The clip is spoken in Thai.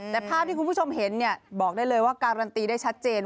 แต่ภาพที่คุณผู้ชมเห็นบอกได้เลยว่าการันตีได้ชัดเจน